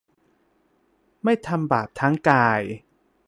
ไม่ทำบาปทั้งกาย